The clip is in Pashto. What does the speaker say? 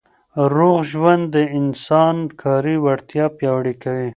روغ ژوند د انسان کاري وړتیا پیاوړې کوي.